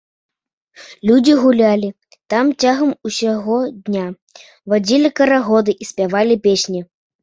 Людзі гулялі там цягам усяго дня, вадзілі карагоды і спявалі песні.